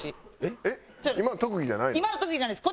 今の特技じゃないです。